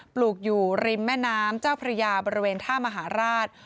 ปลูกอยู่ริมแม่น้ำเจ้าพระยาบริเวณท่ามหาราช